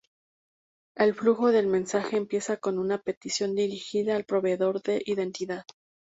El flujo del mensaje empieza con una petición dirigida al proveedor de identidad.